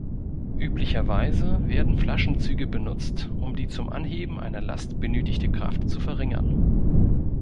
Üblicherweise werden Flaschenzüge benutzt, um die zum Anheben einer Last benötigte Kraft zu verringern.